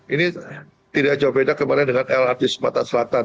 ini tidak jauh beda kemarin dengan lrt sumatera selatan